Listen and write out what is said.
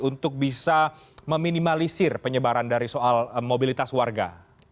untuk bisa meminimalisir penyebaran dari soal mobilitas warga